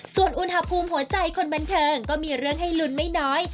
ส่วนอุณหภูมิหัวใจคนบันเทิงก็มีเรื่องให้ลุ้นไม่น้อย